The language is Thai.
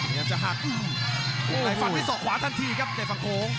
ยังจะหักในฝันที่ส่อขวาทันทีครับในฝั่งโขง